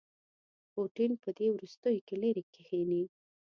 پوټین په دې وروستیوکې لیرې کښيني.